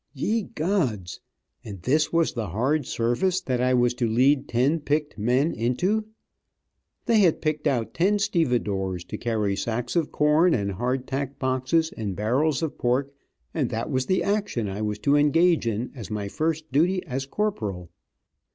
Ye gods! And this was the hard service that I was to lead ten picked men into. They had picked out ten stevedores, to carry sacks of corn, and hard tack boxes, and barrels of pork, and that was the action I was to engage in as my first duty as corporal.